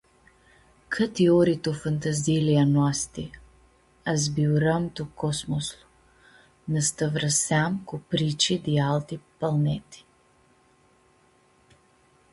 Cãti ori tu fantaziili a noasti azbiuram tu cosmoslu, nã stãvrãseam cu prici di alti palneti.